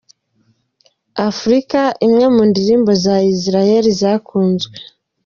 Africa, imwe mu ndirimbo za Ismaël Lô zakunzwe.